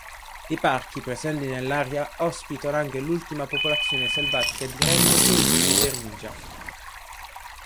I parchi presenti nell'area ospitano anche l'ultima popolazione selvatica di renne di origine beringia.